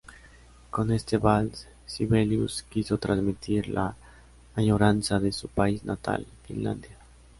Con este vals, Sibelius quiso transmitir la añoranza de su país natal, Finlandia.